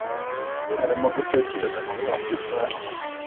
Arimo gutekereza kuba umusare.